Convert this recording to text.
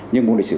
nhưng môn lịch sử